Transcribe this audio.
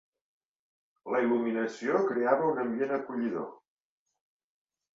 La il·luminació creava un ambient acollidor.